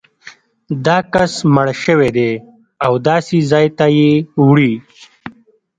دا کس مړ شوی دی او داسې ځای ته یې وړي.